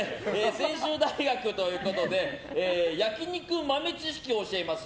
専修大学ということで焼き肉豆知識教えます。